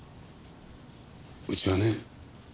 うちはね